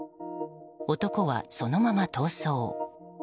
男は、そのまま逃走。